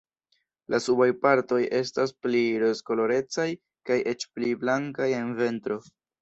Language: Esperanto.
La subaj partoj estas pli rozkolorecaj kaj eĉ pli blankaj en ventro.